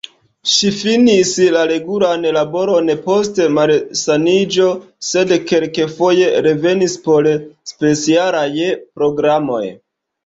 Ŝi finis la regulan laboron post malsaniĝo sed kelkfoje revenis por specialaj programoj.